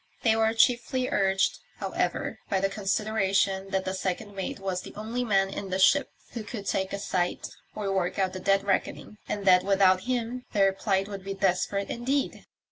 They were chiefly urged, however, by the consideration that the second mate was the only man in the ship who could take a sight or work out the dead reckoning, and that without him their plight would be desperate indeed.